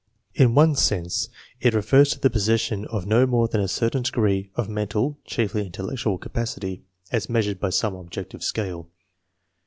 In one sense it refers to the possession of no more than a certain degree of men tal (chiefly intellectual) capacity, as measured by some objective scale.